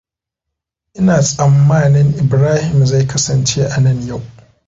Ina tsammanin Ibrahim zai kasance anan yau.